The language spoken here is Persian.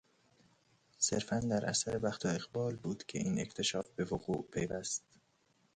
صرفا در اثر بخت و اقبال بود که این اکتشاف به وقوع پیوست.